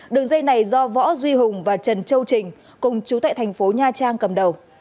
đường dây này do võ duy hùng và trần châu trình cùng chú tại thành phố nha trang cầm đầu